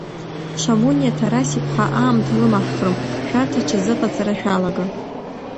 Шамуниа Тарас-иԥҳа аамҭа лымаҳхрым, шәарҭ аҽазыҟаҵара шәалага.